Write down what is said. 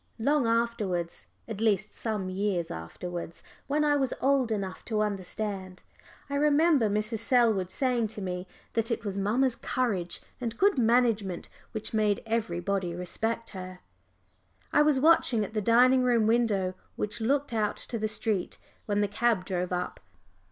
Long afterwards at least some years afterwards, when I was old enough to understand I remember Mrs. Selwood saying to me that it was mamma's courage and good management which made everybody respect her. I was watching at the dining room window, which looked out to the street, when the cab drove up.